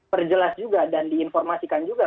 perjelas juga dan di informasikan juga